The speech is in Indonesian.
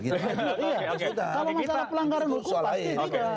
kalau masalah pelanggaran hukum pasti juga